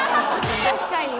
確かにね。